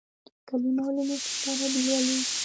کلیمه او لمونځ چې په عربي لولې.